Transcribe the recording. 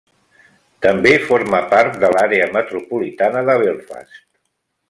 També forma part de l'Àrea Metropolitana de Belfast.